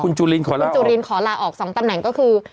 คุณจุลินขอร้องคุณจุลินขอลาออก๒ตำแหน่งก็คือ